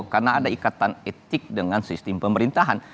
karena ada ikatan etik dengan sistem pemerintahan